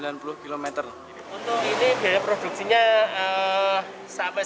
untuk ini daya produksinya sampai satu